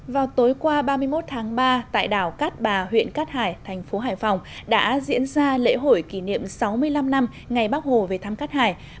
vào tối qua ba mươi một tháng ba tại đảo cát bà huyện cát hải thành phố hải phòng đã diễn ra lễ hội kỷ niệm sáu mươi năm năm ngày bắc hồ về thám cát hải